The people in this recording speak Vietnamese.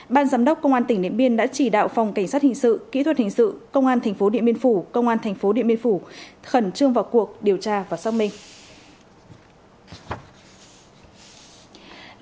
ban giám đốc công an tỉnh điện biên đã chỉ đạo phòng cảnh sát hình sự kỹ thuật hình sự công an tp điện biên phủ công an thành phố điện biên phủ khẩn trương vào cuộc điều tra và xác minh